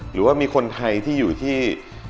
หรือว่ามีคนไทยที่อยู่ที่